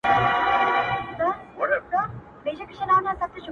هغه سړی کلونه پس دی. راوتلی ښار ته.